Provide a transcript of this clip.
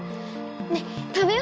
ねっ食べよ！